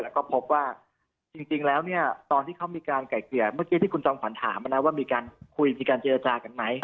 แล้วก็พบว่าจริงแล้วเนี่ยตอนที่เขามีการไก่เกลี่ยเมื่อกี้ที่คุณจอมขวัญถามว่ามีการคุยมีการเจรจากันไหม